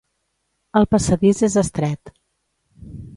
El passadís és estret.